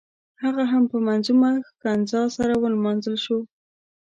هغه هم په منظمونه ښکنځا سره ونمانځل شو.